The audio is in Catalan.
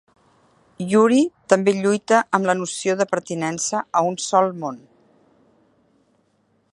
Yuri també lluita amb la noció de pertinença a un sol món.